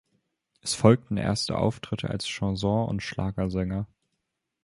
Es folgten erste Auftritte als Chanson- und Schlagersänger.